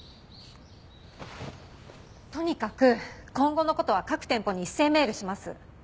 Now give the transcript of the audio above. とにかく今後の事は各店舗に一斉メールします。